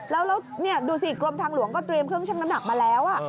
แล้วนี่ดูสิกรมทางหลวงก็เตรียมเครื่องชั่งน้ำหนักมาแล้ว